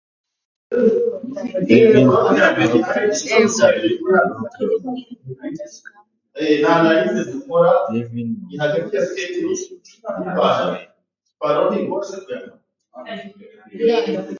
Devine has worked extensively on Broadway.